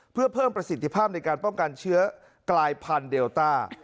เพื่อเพิ่มประสิทธิภาพในการป้องกันเชื้อกลายพันธุ์เดลต้า